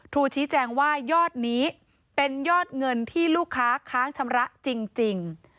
ครูชี้แจงว่ายอดนี้เป็นยอดเงินที่ลูกค้าค้างชำระจริง